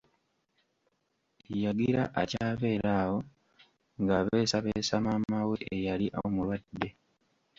Yagira akyabeera awo ng'abeesabeesa maama we eyali omulwadde.